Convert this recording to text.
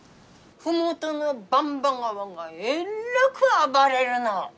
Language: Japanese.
☎麓の番場川がえっらく暴れるの。